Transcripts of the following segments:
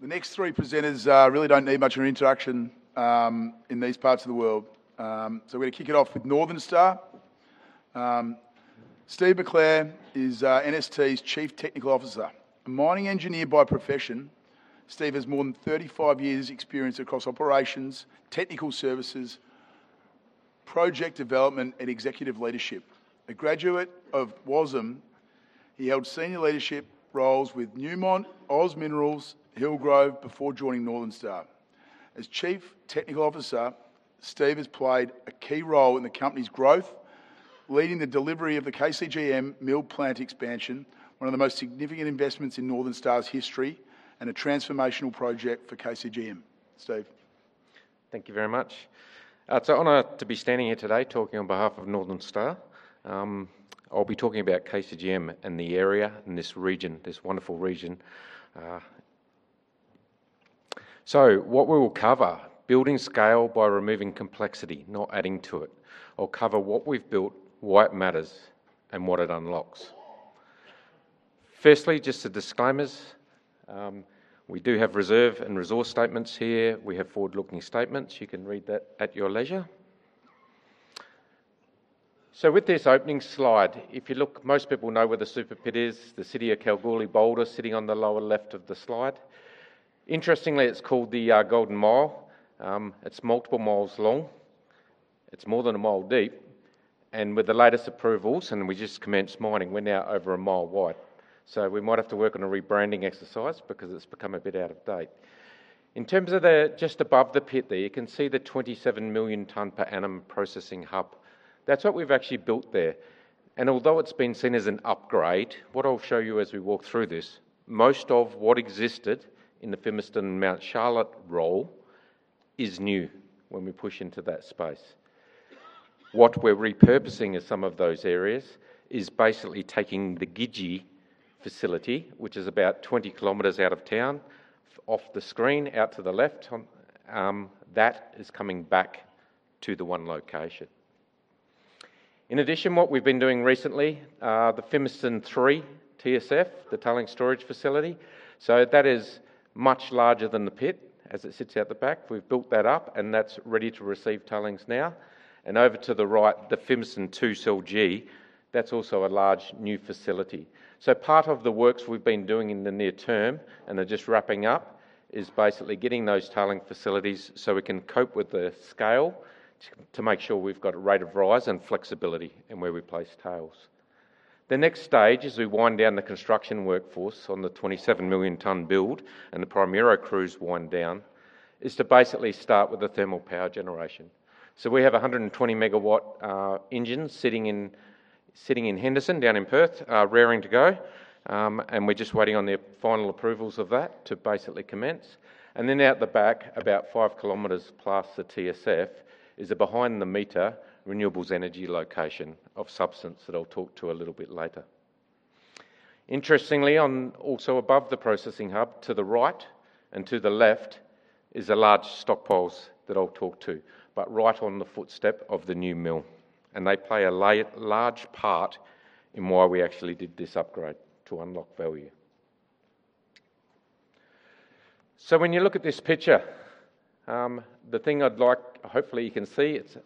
The next three presenters really don't need much of an introduction in these parts of the world. We're going to kick it off with Northern Star. Steve McClare is NST's Chief Technical Officer. A mining engineer by profession, Steve has more than 35 years' experience across operations, technical services, project development, and executive leadership. A graduate of WASM, he held senior leadership roles with Newmont, OZ Minerals, Hillgrove, before joining Northern Star. As Chief Technical Officer, Steve has played a key role in the company's growth, leading the delivery of the KCGM mill plant expansion, one of the most significant investments in Northern Star's history, and a transformational project for KCGM. Steve. Thank you very much. It's an honor to be standing here today talking on behalf of Northern Star. I'll be talking about KCGM and the area in this region, this wonderful region. What we will cover, building scale by removing complexity, not adding to it, or cover what we've built, why it matters, and what it unlocks. Firstly, just the disclaimers. We do have reserve and resource statements here. We have forward-looking statements. You can read that at your leisure. With this opening slide, if you look, most people know where the Super Pit is, the city of Kalgoorlie-Boulder sitting on the lower left of the slide. Interestingly, it's called the Golden Mile. It's multiple miles long. It's more than a mile deep, with the latest approvals, and we just commenced mining, we're now over a mile wide. We might have to work on a rebranding exercise because it's become a bit out of date. In terms of just above the pit there, you can see the 27,000,000 ton per annum processing hub. That's what we've actually built there, and although it's been seen as an upgrade, what I'll show you as we walk through this, most of what existed in the Fimiston Mt Charlotte role is new when we push into that space. What we're repurposing as some of those areas is basically taking the Gidji facility, which is about 20 km out of town, off the screen, out to the left. That is coming back to the one location. In addition, what we've been doing recently, the Fimiston III TSF, the Tailings Storage Facility. That is much larger than the pit as it sits out the back. We're built that up and that's ready to receive tailings now. Over to the right, the Fimiston II Cell G. That's also a large new facility Part of the works we've been doing in the near term, and they're just wrapping up, is basically getting those tailing facilities so we can cope with the scale to make sure we've got a rate of rise and flexibility in where we place tails. The next stage, as we wind down the construction workforce on the 27,000,000 Ton build, and the Primero crews wind down, is to basically start with the thermal power generation. We have 120 MW engines sitting in Henderson, down in Perth, raring to go. And we're just waiting on the final approvals of that to basically commence. Out the back, about 5 km past the TSF, is a behind-the-meter renewables energy location of substance that I'll talk to a little bit later. Interestingly, also above the processing hub to the right and to the left is large stockpiles that I'll talk to, but right on the footstep of the new mill. They play a large part in why we actually did this upgrade, to unlock value. When you look at this picture, the thing I'd like, hopefully, you can see, it's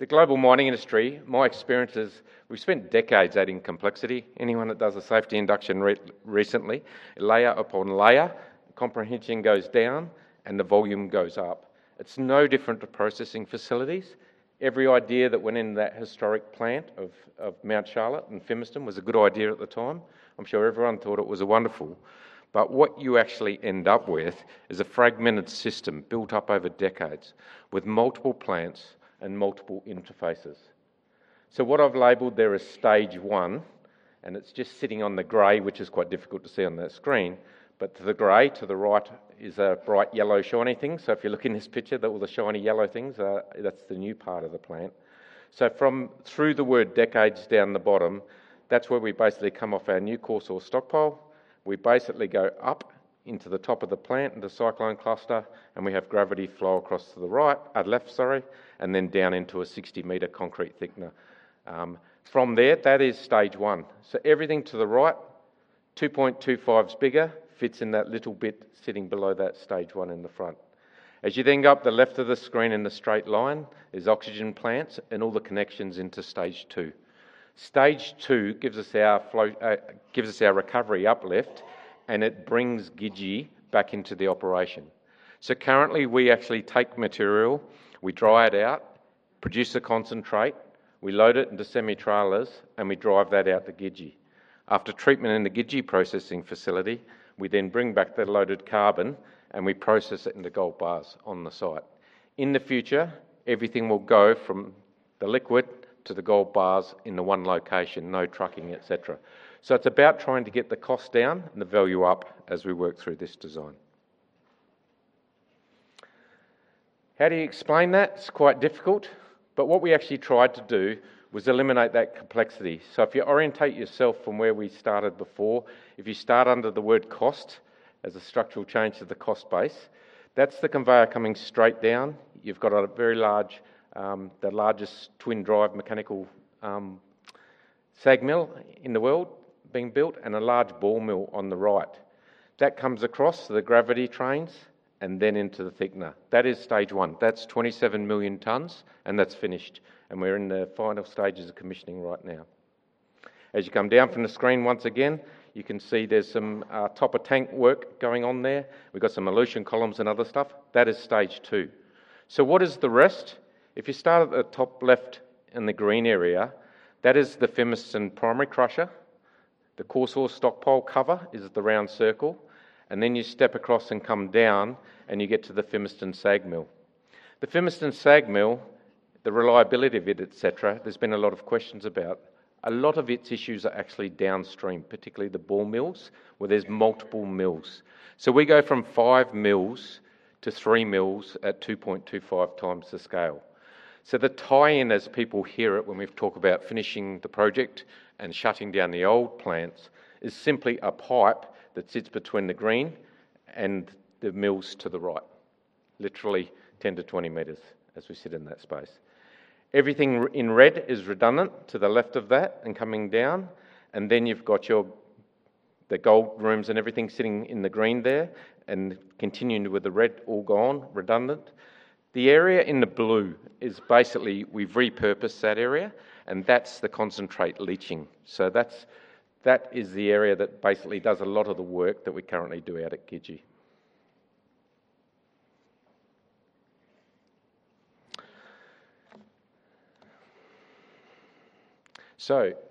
the global mining industry. My experience is we've spent decades adding complexity. Anyone that does a safety induction recently, layer upon layer, comprehension goes down, and the volume goes up. It's no different to processing facilities. Every idea that went into that historic plant of Mt Charlotte and Fimiston was a good idea at the time. I'm sure everyone thought it was wonderful. What you actually end up with is a fragmented system built up over decades with multiple plants and multiple interfaces. What I've labeled there is Stage 1, and it's just sitting on the gray, which is quite difficult to see on that screen. To the gray, to the right is a bright yellow, shiny thing. If you look in this picture, all the shiny yellow things, that's the new part of the plant. Through the word decades down the bottom, that's where we basically come off our new coarse ore stockpile. We basically go up into the top of the plant and the cyclone cluster, and we have gravity flow across to the right, left, sorry, and then down into a 60 m concrete thickener. From there, that is Stage 1. Everything to the right, 2.25's bigger, fits in that little bit sitting below that Stage 1 in the front. Going up the left of the screen in the straight line is oxygen plants and all the connections into Stage 2. Stage 2 gives us our recovery uplift, and it brings Gidji back into the operation. Currently, we actually take material, we dry it out, produce a concentrate, we load it into semi-trailers, and we drive that out to Gidji. After treatment in the Gidji processing facility, we then bring back the loaded carbon, and we process it into gold bars on the site. In the future, everything will go from the liquid to the gold bars in the one location, no trucking, et cetera. It's about trying to get the cost down and the value up as we work through this design. How do you explain that? It's quite difficult. What we actually tried to do was eliminate that complexity. If you orientate yourself from where we started before, if you start under the word cost as a structural change to the cost base, that's the conveyor coming straight down. You've got a very large, the largest twin drive mechanical-SAG mill in the world being built and a large ball mill on the right. That comes across the gravity trains and then into the thickener. That is Stage 1. That's 27,000,000 Tons, and that's finished, and we're in the final stages of commissioning right now. Coming down from the screen, once again, you can see there's some topper tank work going on there. We've got some elution columns and other stuff. That is Stage 2. What is the rest? If you start at the top left in the green area, that is the Fimiston primary crusher. The coarse ore stockpile cover is at the round circle, and then you step across and come down, and you get to the Fimiston SAG mill. The Fimiston SAG mill, the reliability of it, et cetera, there's been a lot of questions about. A lot of its issues are actually downstream, particularly the ball mills, where there's multiple mills. We go from five mills to three mills at 2.25 times the scale. The tie-in as people hear it when we've talked about finishing the project and shutting down the old plants, is simply a pipe that sits between the green and the mills to the right, literally 10 m-20 m as we sit in that space. Everything in red is redundant to the left of that and coming down, and then you've got the gold rooms and everything sitting in the green there, and continuing with the red, all gone, redundant. The area in the blue is basically we've repurposed that area, and that's the concentrate leaching. That is the area that basically does a lot of the work that we currently do out at Gidji.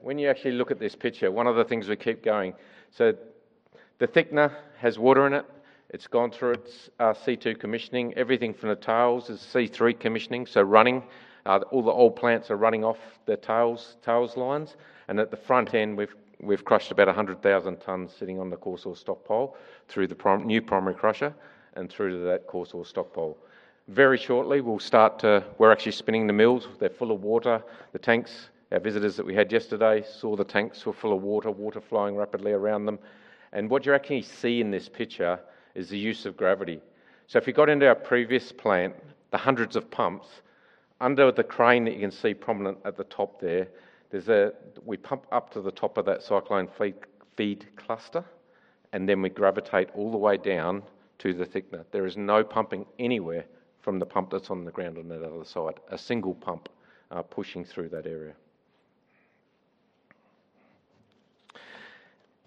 When you actually look at this picture, one of the things we keep going. The thickener has water in it. It's gone through its C2 commissioning. Everything from the tails is C3 commissioning, so running. All the old plants are running off the tails lines, and at the front end, we've crushed about 100,000 tons sitting on the coarse ore stockpile through the new primary crusher and through to that coarse ore stockpile. Very shortly, we're actually spinning the mills. They're full of water. The tanks, our visitors that we had yesterday, saw the tanks were full of water flowing rapidly around them. What you actually see in this picture is the use of gravity. If you got into our previous plant, the hundreds of pumps, under the crane that you can see prominent at the top there, we pump up to the top of that cyclone feed cluster, and then we gravitate all the way down to the thickener. There is no pumping anywhere from the pump that's on the ground on that other side. A single pump pushing through that area.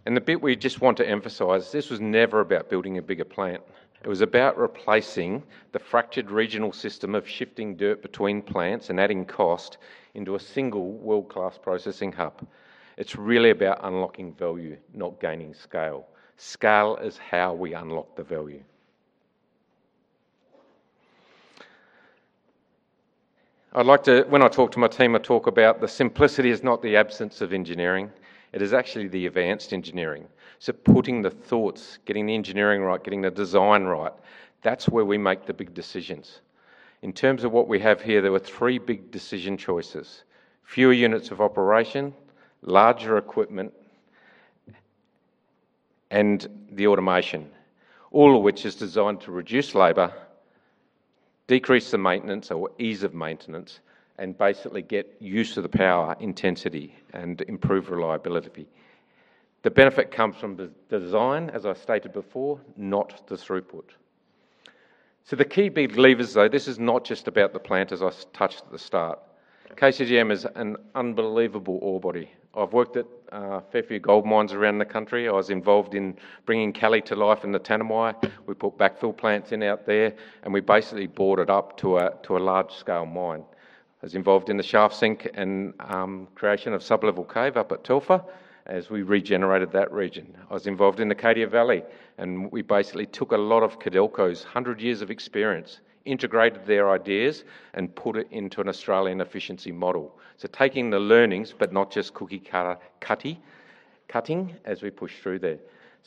The bit we just want to emphasize, this was never about building a bigger plant. It was about replacing the fractured regional system of shifting dirt between plants and adding cost into a single world-class processing hub. It's really about unlocking value, not gaining scale. Scale is how we unlock the value. When I talk to my team, I talk about the simplicity is not the absence of engineering. It is actually the advanced engineering. Putting the thoughts, getting the engineering right, getting the design right, that's where we make the big decisions. In terms of what we have here, there were three big decision choices, fewer units of operation, larger equipment, and the automation, all of which is designed to reduce labor, decrease the maintenance or ease of maintenance, and basically get use of the power intensity and improve reliability. The benefit comes from the design, as I stated before, not the throughput. The key big levers, though, this is not just about the plant, as I touched at the start. KCGM is an unbelievable ore body. I've worked at a fair few gold mines around the country. I was involved in bringing Callie to life in the Tanami. We put backfill plants in out there, and we basically bought it up to a large-scale mine. I was involved in the shaft sink and creation of sub-level cave up at Telfer as we regenerated that region. I was involved in the Cadia Valley, and we basically took a lot of Codelco's 100 years of experience, integrated their ideas, and put it into an Australian efficiency model. Taking the learnings, but not just cookie cutting as we push through there.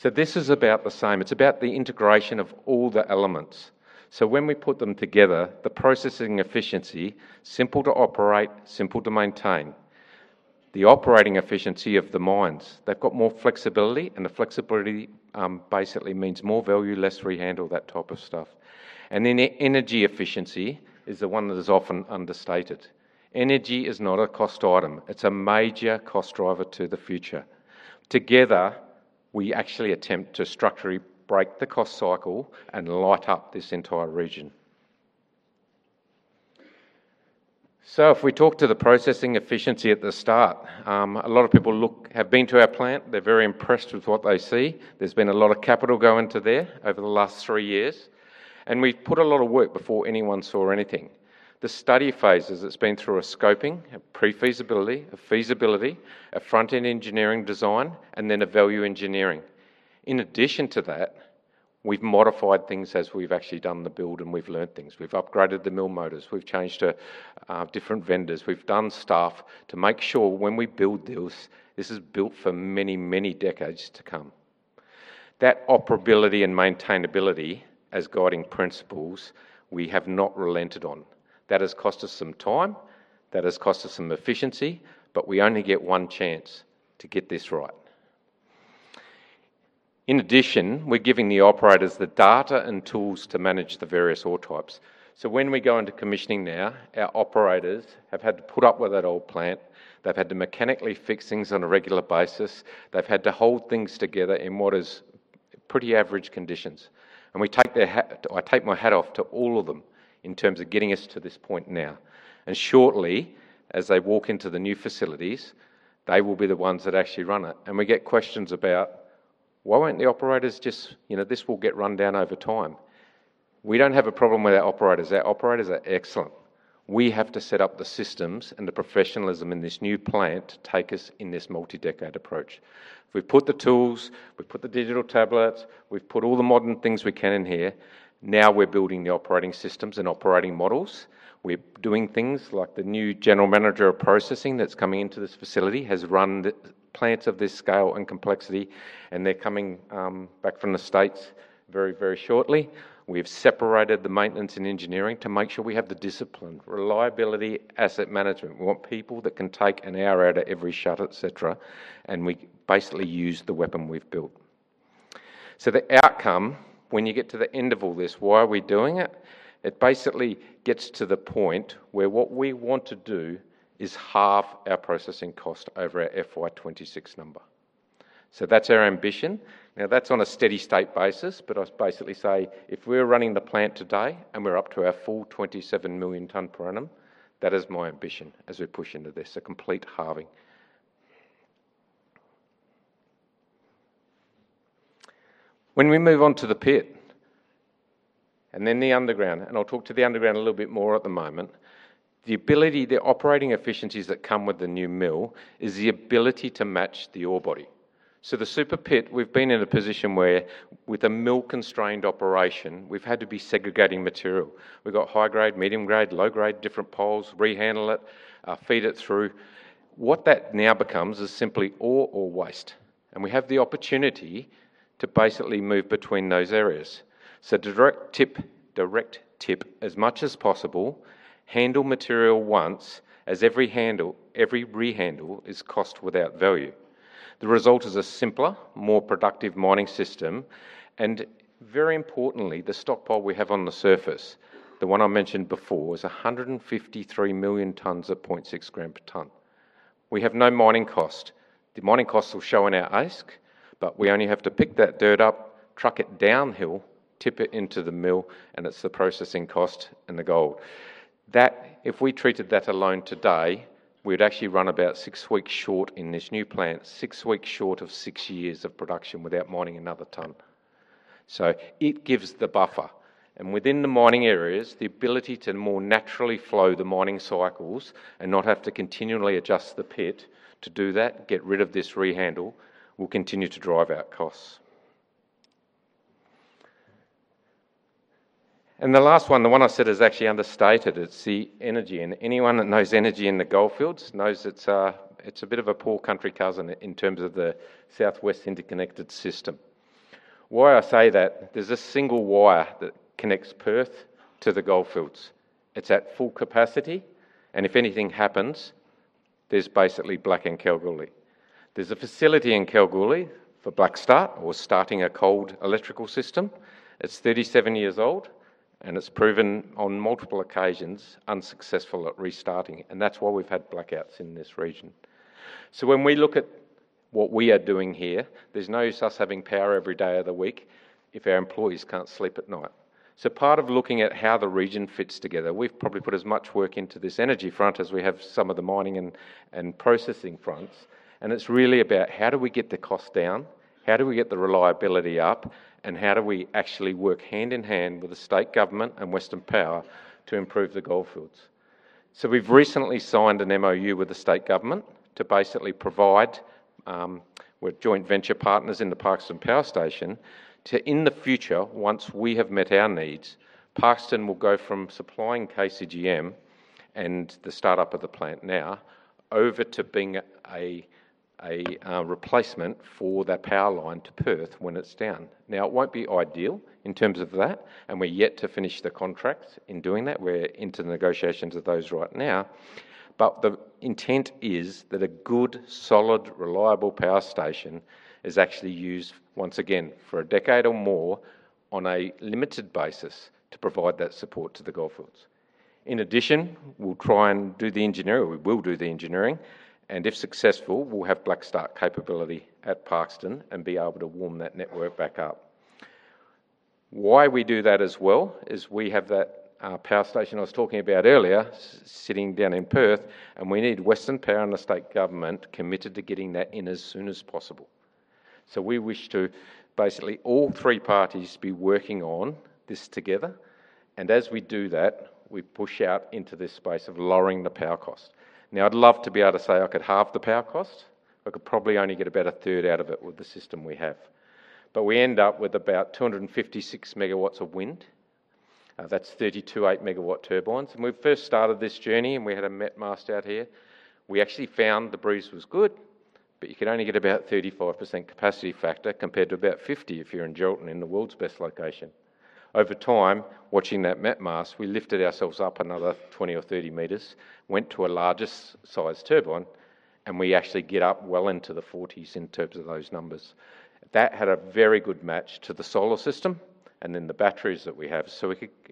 This is about the same. It's about the integration of all the elements. When we put them together, the processing efficiency, simple to operate, simple to maintain. The operating efficiency of the mines, they've got more flexibility, and the flexibility basically means more value, less rehandle, that type of stuff. Energy efficiency is the one that is often understated. Energy is not a cost item. It's a major cost driver to the future. Together, we actually attempt to structurally break the cost cycle and light up this entire region. If we talk to the processing efficiency at the start, a lot of people have been to our plant. They're very impressed with what they see. There's been a lot of capital go into there over the last three years, and we've put a lot of work before anyone saw anything. The study phases, it's been through a scoping, a pre-feasibility, a feasibility, a front-end engineering design, and then a value engineering. In addition to that, we've modified things as we've actually done the build, and we've learned things. We've upgraded the mill motors. We've changed to different vendors. We've done stuff to make sure when we build this is built for many, many decades to come. That operability and maintainability as guiding principles, we have not relented on. That has cost us some time, that has cost us some efficiency, but we only get one chance to get this right. In addition, we're giving the operators the data and tools to manage the various ore types. When we go into commissioning now, our operators have had to put up with that old plant. They've had to mechanically fix things on a regular basis. They've had to hold things together in what is pretty average conditions. I take my hat off to all of them in terms of getting us to this point now. Shortly, as they walk into the new facilities, they will be the ones that actually run it. We get questions about, why won't the operators just This will get run down over time. We don't have a problem with our operators. Our operators are excellent. We have to set up the systems and the professionalism in this new plant to take us in this multi-decade approach. We've put the tools, we've put the digital tablets, we've put all the modern things we can in here. Now we're building the operating systems and operating models. We're doing things like the new general manager of processing that's coming into this facility, has run plants of this scale and complexity, and they're coming back from the U.S. very shortly. We've separated the maintenance and engineering to make sure we have the discipline. Reliability, asset management. We want people that can take an hour out of every shift, et cetera, and we basically use the weapon we've built. The outcome, when you get to the end of all this, why are we doing it? It basically gets to the point where what we want to do is halve our processing cost over our FY 2026 number. That's our ambition. That's on a steady state basis, I basically say, if we're running the plant today and we're up to our full 27 million ton per annum, that is my ambition as we push into this, a complete halving. When we move on to the pit and then the underground, and I'll talk to the underground a little bit more at the moment, the operating efficiencies that come with the new mill is the ability to match the ore body. The Super Pit, we've been in a position where with a mill-constrained operation, we've had to be segregating material. We've got high grade, medium grade, low grade, different poles, rehandle it, feed it through. What that now becomes is simply ore or waste. We have the opportunity to basically move between those areas. Direct tip, direct tip as much as possible, handle material once, as every rehandle is cost without value. The result is a simpler, more productive mining system and, very importantly, the stockpile we have on the surface, the one I mentioned before, is 153,000,000 tons of 0.6 g/ton. We have no mining cost. The mining cost will show in our AISC, but we only have to pick that dirt up, truck it downhill, tip it into the mill, and it's the processing cost and the gold. If we treated that alone today, we'd actually run about six weeks short in this new plant, six weeks short of six years of production without mining another ton. It gives the buffer, and within the mining areas, the ability to more naturally flow the mining cycles and not have to continually adjust the pit to do that, get rid of this rehandle, will continue to drive out costs. The last one, the one I said is actually understated, it's the energy. Anyone that knows energy in the Goldfields knows it's a bit of a poor country cousin in terms of the South West Interconnected System. I say that, there's a single wire that connects Perth to the Goldfields. It's at full capacity, and if anything happens, there's basically black in Kalgoorlie. There's a facility in Kalgoorlie for black start or starting a cold electrical system. It's 37 years old, and it's proven on multiple occasions unsuccessful at restarting, and that's why we've had blackouts in this region. When we look at what we are doing here, there's no use us having power every day of the week if our employees can't sleep at night. Part of looking at how the region fits together, we've probably put as much work into this energy front as we have some of the mining and processing fronts, and it's really about how do we get the cost down, how do we get the reliability up, and how do we actually work hand in hand with the state government and Western Power to improve the Goldfields? We've recently signed an MOU with the state government to basically provide with joint venture partners in the Parkeston Power Station to, in the future, once we have met our needs, Parkeston Power Station will go from supplying KCGM and the startup of the plant now over to being a replacement for that power line to Perth when it's down. It won't be ideal in terms of that, and we're yet to finish the contracts in doing that. We're into negotiations of those right now. The intent is that a good, solid, reliable power station is actually used once again for a decade or more on a limited basis to provide that support to the Goldfields. In addition, we'll try and do the engineering, or we will do the engineering, and if successful, we'll have black start capability at Parkeston Power Station and be able to warm that network back up. Why we do that as well is we have that power station I was talking about earlier sitting down in Perth, and we need Western Power and the state government committed to getting that in as soon as possible. We wish to basically all three parties be working on this together, and as we do that, we push out into this space of lowering the power cost. I'd love to be able to say I could halve the power cost. I could probably only get about a third out of it with the system we have. We end up with about 256 MW of wind. That's 32 8 MW turbines. We first started this journey, and we had a met mast out here. We actually found the breeze was good, you could only get about 35% capacity factor compared to about 50% if you're in Geraldton in the world's best location. Over time, watching that met mast, we lifted ourselves up another 20 m or 30 m, went to a larger size turbine, and we actually get up well into the 40s in terms of those numbers. That had a very good match to the solar system, then the batteries that we have.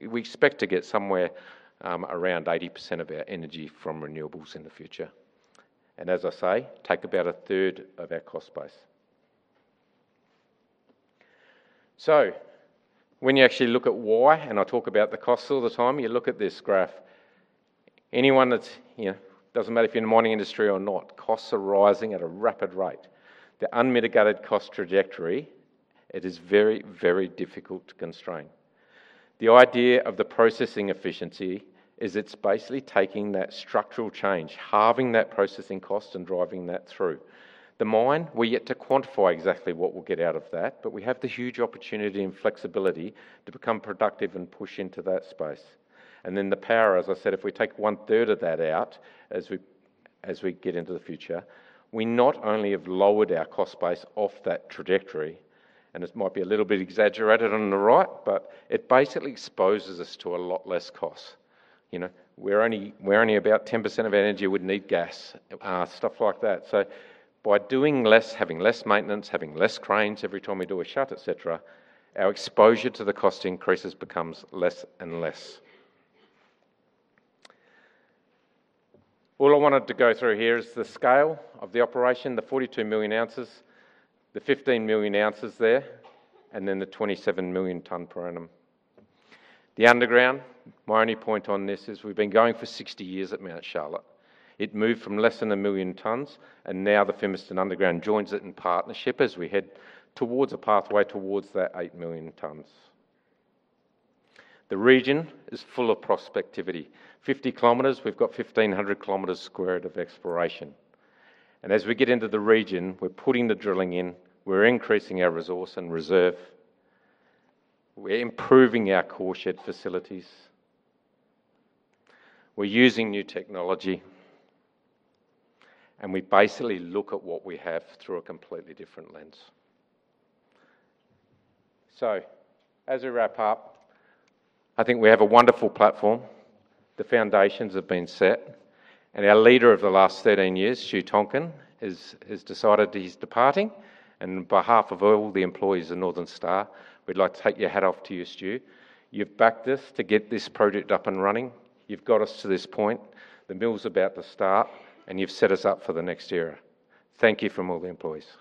We expect to get somewhere around 80% of our energy from renewables in the future, and as I say, take about a third of our cost base. When you actually look at why, and I talk about the costs all the time, you look at this graph. Anyone that's here, doesn't matter if you're in the mining industry or not, costs are rising at a rapid rate. The unmitigated cost trajectory, it is very, very difficult to constrain. The idea of the processing efficiency is it's basically taking that structural change, halving that processing cost, and driving that through. The mine, we're yet to quantify exactly what we'll get out of that, but we have the huge opportunity and flexibility to become productive and push into that space. The power, as I said, if we take one third of that out as we get into the future, we not only have lowered our cost base off that trajectory, and this might be a little bit exaggerated on the right, but it basically exposes us to a lot less cost. Only about 10% of energy would need gas, stuff like that. By doing less, having less maintenance, having less cranes every time we do a shut, et cetera, our exposure to the cost increases becomes less and less. All I wanted to go through here is the scale of the operation, the 42,000,000 oz the 15,000,000 oz there, the 27,000,000 ton per annum. The underground, my only point on this is we've been going for 60 years at Mt Charlotte. It moved from less than a million tons, and now the Fimiston underground joins it in partnership as we head towards a pathway towards that 8,000,000 tons. The region is full of prospectivity. 50 km, we've got 1,500 km squared of exploration. As we get into the region, we're putting the drilling in, we're increasing our resource and reserve. We're improving our core shed facilities. We're using new technology. We basically look at what we have through a completely different lens. As we wrap up, I think we have a wonderful platform. The foundations have been set, and our leader of the last 13 years, Stu Tonkin, has decided that he's departing. On behalf of all the employees of Northern Star, we'd like to take your hat off to you, Stu. You've backed us to get this project up and running. You've got us to this point. The mill's about to start, and you've set us up for the next era. Thank you from all the employees.